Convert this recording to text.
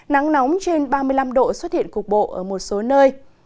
nắng nóng trên ba mươi năm độ xuất hiện cục bộ ở một số nơi